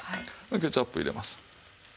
ケチャップ入れます。